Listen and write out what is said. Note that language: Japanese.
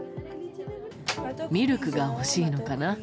ミルクが欲しいのかな？